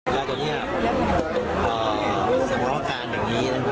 และตอนนี้ครับมุรการแบบนี้